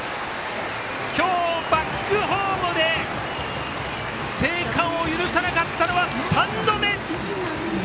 今日バックホームで生還を許さなかったのは３度目。